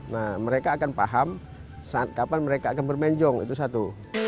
nah mereka akan paham saat kapan mereka akan bermain jong itu satu